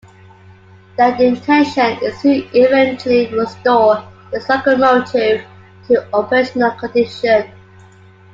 Their intention is to eventually restore this locomotive to operational condition.